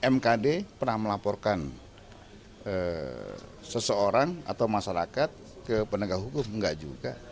mkd pernah melaporkan seseorang atau masyarakat ke penegak hukum enggak juga